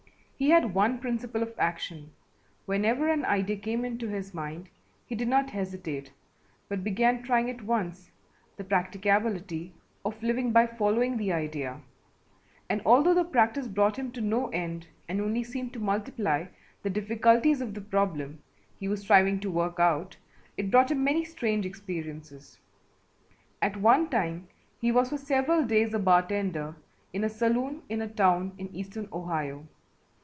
He had one principle of action; whenever an idea came into his mind he did not hesitate, but began trying at once the practicability of living by following the idea, and although the practice brought him to no end and only seemed to multiply the difficulties of the problem he was striving to work out, it brought him many strange experiences. At one time he was for several days a bartender in a saloon in a town in eastern Ohio.